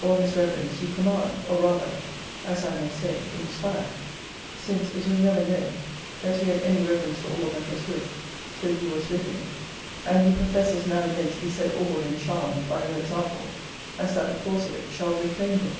All his reverence you command, or rather, as I may say, inspire; since it was never known, that he had any reverence for aught that was good, till you was with him: and he professes now and then to be so awed and charmed by your example, as that the force of it shall reclaim him.